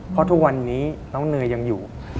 เพราะทุกวันนี้น้องเนยยังอยู่